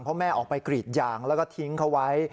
เพราะแม่ออกไปกรีดยางแล้วก็ทิ้งเขาไว้